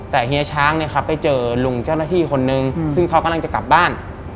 แต่เฮียช้างเนี่ยครับไปเจอลุงเจ้าหน้าที่คนนึงซึ่งเขากำลังจะกลับบ้าน